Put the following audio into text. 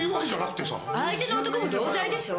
相手の男も同罪でしょ。